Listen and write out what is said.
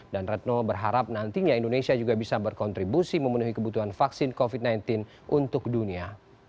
dan retno berharap nantinya indonesia juga bisa berkontribusi memenuhi kebutuhan vaksin covid sembilan belas untuk dunia